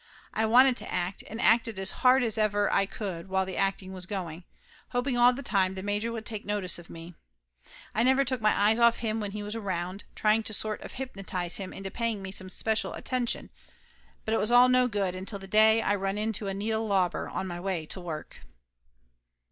I wanted to act, and acted as hard as ever I could while the acting was going, hoping all the time the major would take notice of me. I never took my eyes off him when he was around, trying to sort of hypnotize him into paying me some especial attention, but it was all no good until the day I run into Anita Lauber on my way to work.